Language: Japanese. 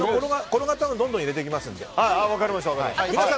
どんどん入れていきますので。